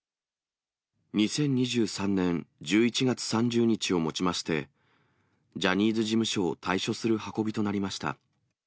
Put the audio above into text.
２０２３年１１月３０日をもちまして、ジャニーズ事務所を退所する運びとなりました。